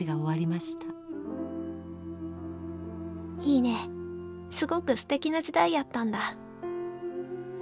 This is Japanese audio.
「いいねすごく素敵な時代やったんだ」。